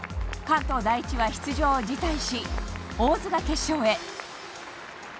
関東第一は出場を辞退し大津が決勝へ。